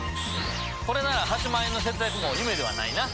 これなら８万円の節約も夢ではないな。